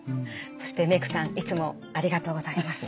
そして「メイクさんいつもありがとうございます」。